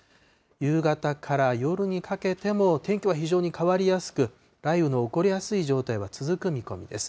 夕方から夜にかけても、天気は非常に変わりやすく、雷雨の起こりやすい状態は続く見込みです。